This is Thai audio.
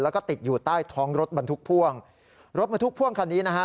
แล้วก็ติดอยู่ใต้ท้องรถบรรทุกพ่วงรถบรรทุกพ่วงคันนี้นะฮะ